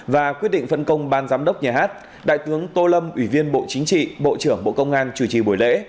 và quyết định phân công ban giám đốc nhà hát đại tướng tô lâm ủy viên bộ chính trị bộ trưởng bộ công an chủ trì buổi lễ